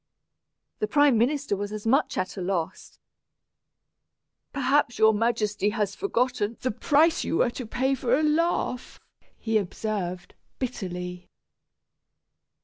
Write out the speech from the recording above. The prime minister was as much at a loss. "Perhaps your Majesty has forgotten the price you were to pay for a laugh," he observed, bitterly.